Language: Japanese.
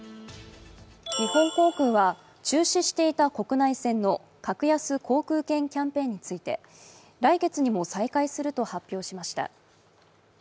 日本航空は中止していた国内線の格安航空券キャンペーンについて来月にも再開すると発表しました。